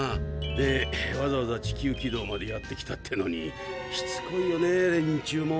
でわざわざ地球軌道までやって来たってのにしつこいよね連中も。